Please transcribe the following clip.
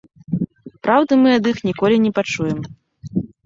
Праўды мы ад іх ніколі не пачуем.